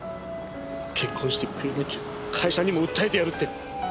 結婚してくれなきゃ会社にも訴えてやるって。